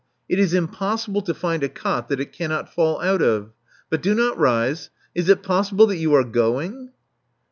It is impossible to find a cot that it cannot fall out of. But do not rise. Is it possible that you are going?"